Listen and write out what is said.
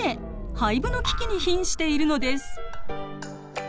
廃部の危機にひんしているのです。